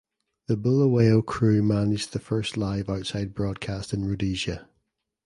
The Bulawayo crew managed the first live outside broadcast in Rhodesia.